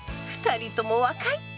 ２人とも若い！